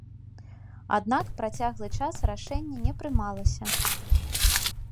Аднак працяглы час рашэнне не прымалася.